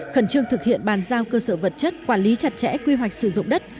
khẩn trương thực hiện bàn giao cơ sở vật chất quản lý chặt chẽ quy hoạch sử dụng đất